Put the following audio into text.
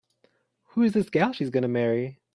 Who's this gal she's gonna marry?